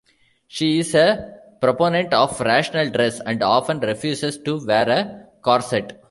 She is a proponent of rational dress, and often refuses to wear a corset.